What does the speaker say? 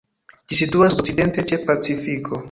Ĝi situas okcidente ĉe Pacifiko.